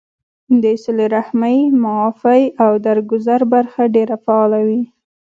د صله رحمۍ ، معافۍ او درګذر برخه ډېره فعاله وي